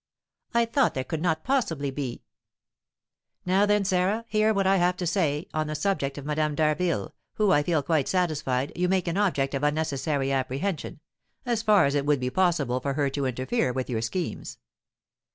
"I thought there could not possibly be." "Now, then, Sarah, hear what I have got to say on the subject of Madame d'Harville, who, I feel quite satisfied, you make an object of unnecessary apprehension, as far as it would be possible for her to interfere with your schemes.